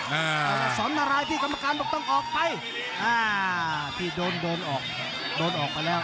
แล้วสอนอะไรพี่กรรมการบอกต้องออกไปอ่าพี่โดนโดนออกโดนออกไปแล้ว